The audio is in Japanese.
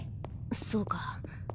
そうか。